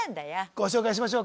ご紹介しましょうか？